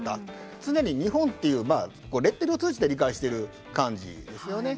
常に日本というレッテルを通じて理解している感じですよね。